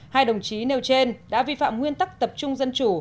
hai đồng chí nêu trên đã vi phạm nguyên tắc tập trung dân chủ